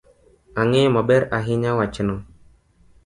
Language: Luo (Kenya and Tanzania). Ang'eyo maber ahinya wachno.